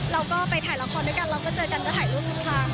เราก็ไปถ่ายละครด้วยกันเราก็เจอกันก็ถ่ายรูปทุกครั้ง